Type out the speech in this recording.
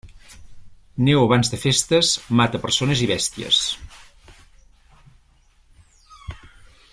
Neu abans de festes mata persones i bèsties.